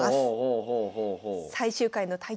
最終回の対局